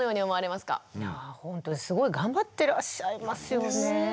いやぁほんとにすごい頑張ってらっしゃいますよね。